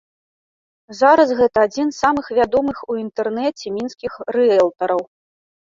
Зараз гэта адзін з самых вядомых у інтэрнэце мінскіх рыэлтараў.